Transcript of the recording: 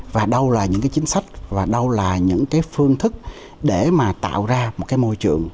và đâu là những cái chính sách và đâu là những cái phương thức để mà tạo ra một cái môi trường